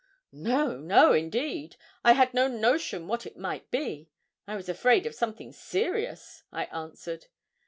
'No, no, indeed. I had no notion what it might be. I was afraid of something serious,' I answered.